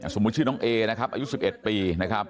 ชื่อน้องเอนะครับอายุ๑๑ปีนะครับ